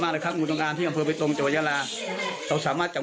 มันเป็นงูเจ้าอ้างที่ใหญ่มาก